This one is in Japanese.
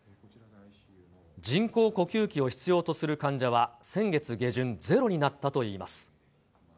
人工呼吸器を必要とする患者は先月下旬、ゼロになったといいます。